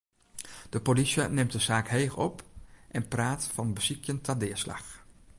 De polysje nimt de saak heech op en praat fan besykjen ta deaslach.